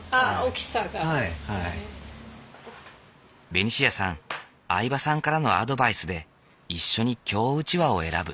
ベニシアさん饗庭さんからのアドバイスで一緒に京うちわを選ぶ。